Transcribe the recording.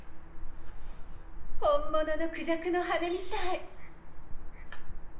本物のクジャクの羽根みたい。